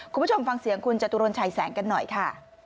คุณผู้ชมฟังเสียงคุณจตุรนชัยแสงกันหน่อยค่ะ